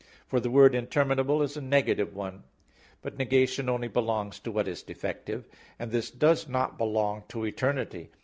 For the word "interminable" is a negative one. But negation only belongs to what is defective, and this does not belong to eternity.